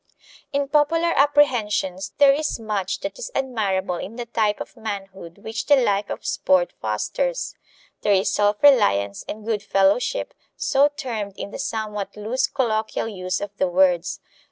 In popular apprehension there is much that is admirable in the type of manhood which the life of sport fosters. There is self reliance and good fellowship, so termed in the somewhat loose colloquial use of the words.